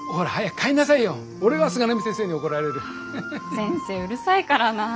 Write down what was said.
先生うるさいからなぁ。